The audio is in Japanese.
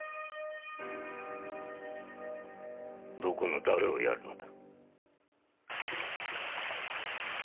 どこの誰をやるのだ。